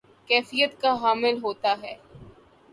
کیفیت کا حامل ہوتا ہے